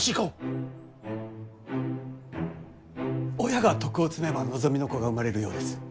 親が徳を積めば望みの子が生まれるようです。